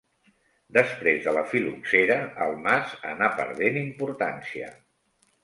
Després de la fil·loxera el mas anà perdent importància.